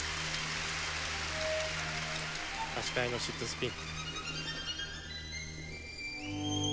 足換えのシットスピン。